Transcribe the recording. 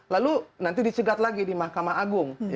lalu nanti dicegat lagi di mahkamah agung